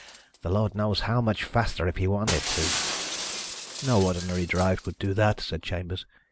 the Lord knows how much faster if he wanted to." "No ordinary drive would do that," said Chambers.